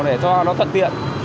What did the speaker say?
để cho nó thật tiện